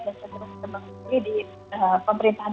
dan setelah itu di pemerintahan